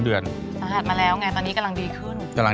แม่บ้านประจันบัน